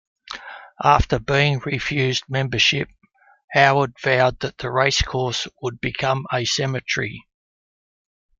After being refused membership, Howard vowed that the race course would become a cemetery.